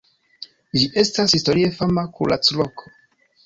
Ĝi estas historie fama kuracloko.